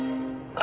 あ。